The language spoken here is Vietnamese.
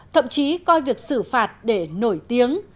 thậm chí coi việc sử phạt để nổi tiếng